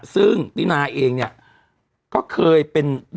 ซึ่งตินาเองเนี่ยก็เคยเป็น